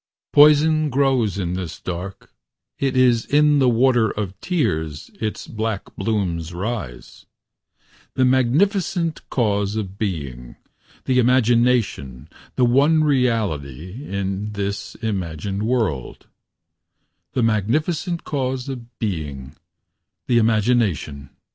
Poison grows in this dark. It is in the water of tears Its black blooms rise. The magnificent cause of being The imagination, the one reality In this imagined world Leaves you With him for whom no phantasy moves.